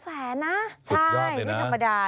แสนนะสุดยอดเลยนะใช่ไม่ธรรมดา